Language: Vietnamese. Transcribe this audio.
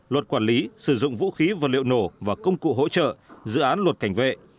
luật quản lý sử dụng vũ khí vật liệu nổ và công cụ hỗ trợ dự án luật cảnh vệ